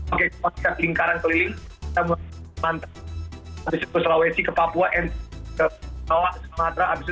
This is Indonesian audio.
oke setiap lingkaran keliling kita mau ke sulawesi ke papua ke semata ke semata